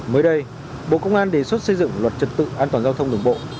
mới đây bộ công an đề xuất xây dựng luật trật tự an toàn giao thông đường bộ